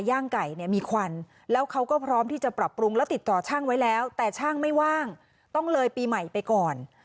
ย่างไก่เนี่ยมีควันแล้วเขาก็พร้อมที่จะปรับปรุงแล้วติดต่อช่างไว้แล้วแต่ช่างไม่ว่างต้องเลยปีใหม่ไปก่อน